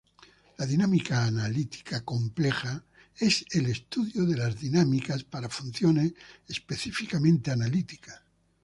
La dinámica analítica compleja es el estudio de las dinámicas para funciones específicamente analíticas.